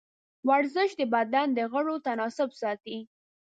ورزش د بدن د غړو تناسب ساتي.